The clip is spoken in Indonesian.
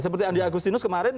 seperti andi agustinus kemarin